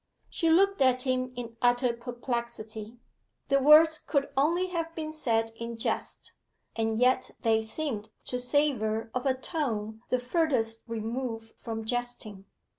She looked at him in utter perplexity. The words could only have been said in jest, and yet they seemed to savour of a tone the furthest remove from jesting.